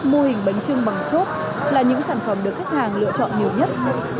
mô hình bánh trưng bằng xốp là những sản phẩm được khách hàng lựa chọn nhiều nhất